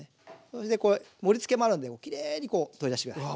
それでこれ盛りつけもあるのできれいに取り出して下さい。